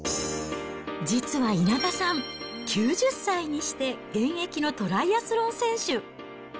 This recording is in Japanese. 実は稲田さん、９０歳にして現役のトライアスロン選手。